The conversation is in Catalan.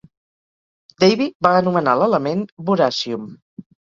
Davy va anomenar l'element "boracium".